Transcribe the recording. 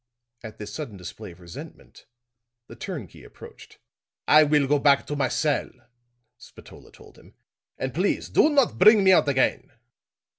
At this sudden display of resentment, the turnkey approached. "I will go back to my cell," Spatola told him, "and please do not bring me out again.